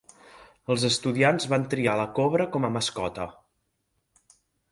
Els estudiants van triar la cobra com a mascota.